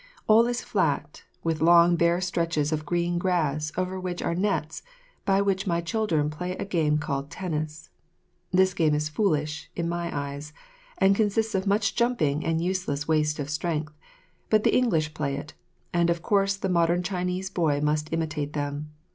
All is flat, with long bare stretches of green grass over which are nets, by which my children play a game called tennis. This game is foolish, in my eyes, and consists of much jumping and useless waste of strength, but the English play it, and of course the modern Chinese boy must imitate them.